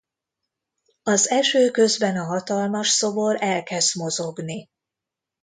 Az eső közben a hatalmas szobor elkezd mozogni.